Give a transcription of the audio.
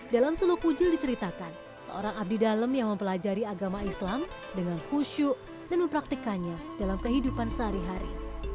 dalam suluk kucil diceritakan seorang abdi dalam yang mempelajari agama islam dengan khusyuk dan mempraktikannya dalam kehidupan sehari hari